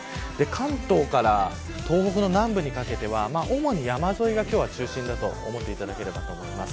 関東から東北の南部にかけては主に山沿いが今日は中心だと思っていただければと思います。